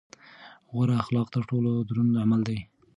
غوره اخلاق تر ټولو دروند عمل دی.